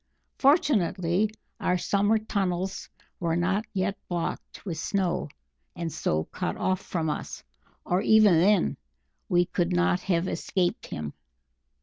Fortunately, our summer tunnels were not yet blocked with snow and so cut off from us, or even then we could not have escaped him."